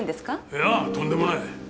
いやとんでもない。